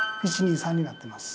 １２３になってます。